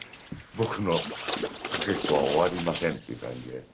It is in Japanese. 僕のかけっこは終わりませんっていう感じで。